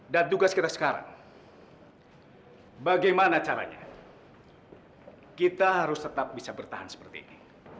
dan tugas kita sekarang bagaimana caranya kita harus tetap bisa bertahan seperti ini